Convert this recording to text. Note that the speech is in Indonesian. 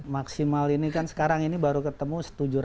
maksimal ini kan sekarang ini baru ketemu